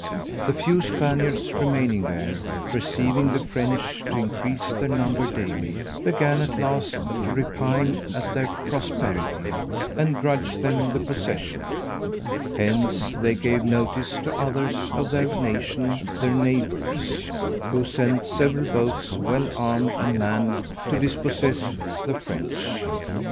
The few Spaniards remaining there, perceiving the French to increase their number daily, began, at last, to repine at their prosperity, and grudge them the possession: hence they gave notice to others of their nation, their neighbours, who sent several boats, well armed and manned, to dispossess the French.